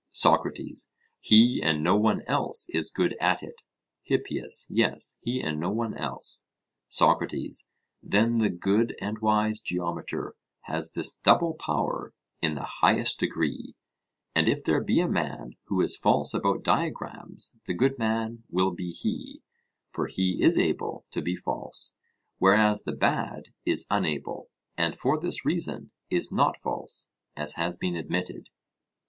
SOCRATES: He and no one else is good at it? HIPPIAS: Yes, he and no one else. SOCRATES: Then the good and wise geometer has this double power in the highest degree; and if there be a man who is false about diagrams the good man will be he, for he is able to be false; whereas the bad is unable, and for this reason is not false, as has been admitted.